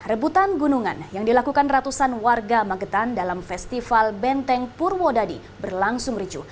rebutan gunungan yang dilakukan ratusan warga magetan dalam festival benteng purwodadi berlangsung ricuh